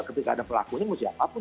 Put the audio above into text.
ketika ada pelakunya mau siapapun